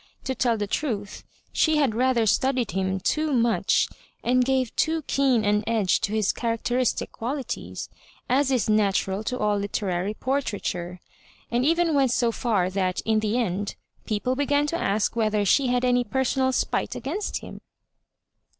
To tell the truth, she had rather studied him too much, and gave too keen an edge to his charac teristic qualities, as is natural to all literary por traiture, and even went so far that, in the end, people began to ask whether she had any per sonal spite against him.